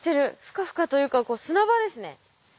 フカフカというか砂場ですね。